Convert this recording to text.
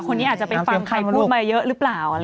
คนนี้อาจจะไปฟังใครพูดมาเยอะหรือเปล่า